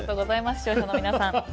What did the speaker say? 視聴者の皆さん。